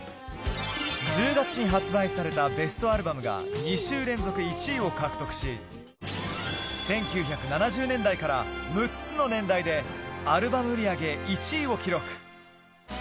１０月に発売されたベストアルバムが、２週連続１位を獲得し、１９７０年代から６つの年代でアルバム売り上げ１位を記録。